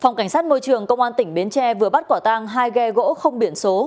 phòng cảnh sát môi trường công an tỉnh bến tre vừa bắt quả tang hai ghe gỗ không biển số